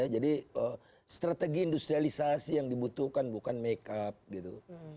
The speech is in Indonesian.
jadi strategi industrialisasi yang dibutuhkan bukan make up gitu